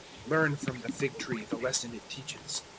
013:028 "Learn from the fig tree the lesson it teaches.